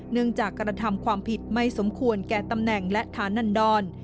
จากกระทำความผิดไม่สมควรแก่ตำแหน่งและฐานันดร